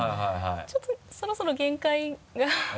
ちょっとそろそろ限界が。